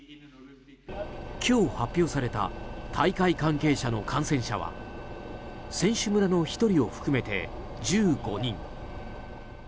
今日、発表された大会関係者の感染者は選手村の１人を含めて１５人。